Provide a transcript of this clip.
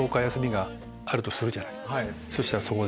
そしたらそこで。